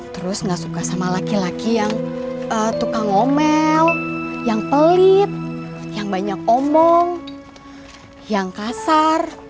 terus gak suka sama laki laki yang tukang ngomel yang pelit yang banyak omong yang kasar